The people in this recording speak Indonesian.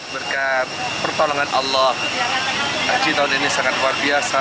berkat pertolongan allah haji tahun ini sangat luar biasa